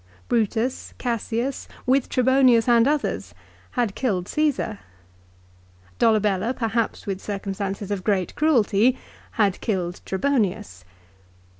Brutus, Cassius, with Trebonius and others, had killed Caesar. Dolabella perhaps with circumstances of great cruelty, had killed Trebonius.